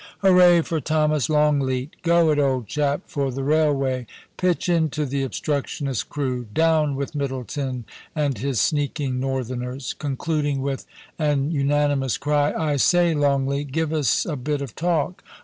* Hooray for Thomas Longleat ! Go it, old chap, for the Railway; pitch into the obstructionist crew! Do\\ti with Middleton and his sneaking northerners !' concluding with an unanimous cry, * I say, Longleat, give us a bit of talk.